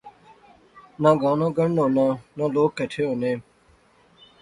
نا گانا گنڈہنونا، نا لوک کہٹھے ہونے